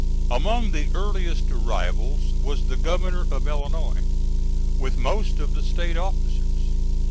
Among the earliest arrivals was the Governor of Illinois, with most of the State officers.